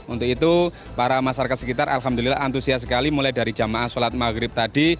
untuk itu para masyarakat sekitar alhamdulillah antusias sekali mulai dari jamaah sholat maghrib tadi